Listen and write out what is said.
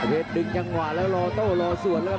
อาเวรดึงจังหวะแล้วรอโน้นรอสวนครับ